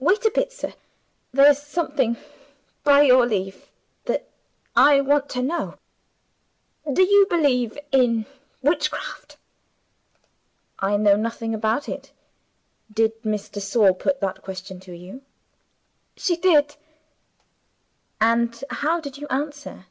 "Wait a bit, sir. There's something, by your leave, that I want to know. Do you believe in Witchcraft?" "I know nothing about it. Did Miss de Sor put that question to you?" "She did." "And how did you answer?"